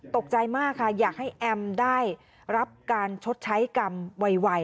ตกใจมากค่ะอยากให้แอมได้รับการชดใช้กรรมไว